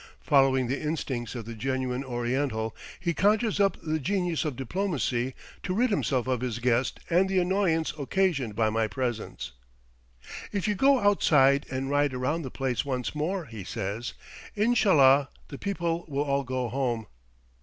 Following the instincts of the genuine Oriental, he conjures up the genius of diplomacy to rid himself of his guest and the annoyance occasioned by my presence. "If you go outside and ride around the place once more," he says, "Inshallah, the people will all go home."